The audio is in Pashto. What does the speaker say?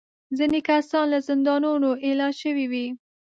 ځینې کسان له زندانونو ایله شوي وو.